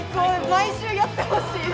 毎週やってほしい。